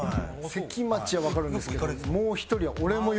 関町はわかるんですけど。